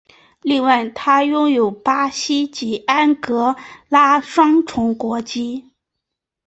另外他拥有巴西及安哥拉双重国籍。